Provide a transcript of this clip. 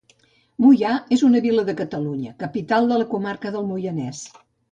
Moià és una vila de Catalunya, capital de la comarca del Moianès.